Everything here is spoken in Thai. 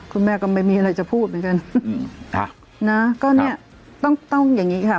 คุณแม่ก็ไม่มีอะไรจะพูดเหมือนกันนะก็เนี่ยต้องต้องอย่างงี้ค่ะ